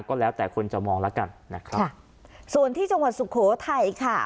ก็แล้วแต่คนจะมองแล้วกันนะครับค่ะส่วนที่จังหวัดสุโขทัยค่ะ